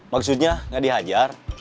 maksudnya nggak dihajar